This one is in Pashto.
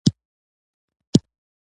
د دوی فعالیتونه پټ او خاموشه وو.